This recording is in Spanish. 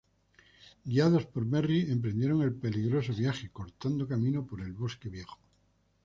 Guiados por Merry emprendieron el peligroso viaje, cortando camino por el Bosque Viejo.